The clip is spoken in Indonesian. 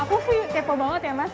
aku fuyuk tepo banget ya mas